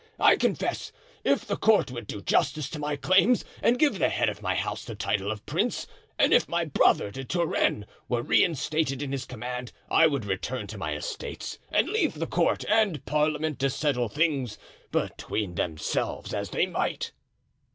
I confess, if the court would do justice to my claims and give the head of my house the title of prince, and if my brother De Turenne were reinstated in his command I would return to my estates and leave the court and parliament to settle things between themselves as they might."